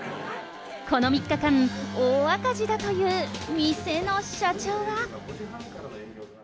この３日間、大赤字だという店の社長は。